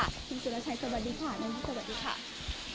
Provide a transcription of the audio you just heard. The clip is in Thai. คุณสุรชัยสบายดีค่ะ